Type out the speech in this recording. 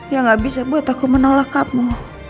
ya gak bisa buat aku menolak kamu